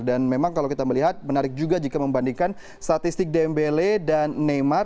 dan memang kalau kita melihat menarik juga jika membandingkan statistik dembele dan neymar